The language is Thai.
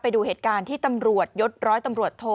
ไปดูเหตุการณ์ที่ตำรวจยศร้อยตำรวจโท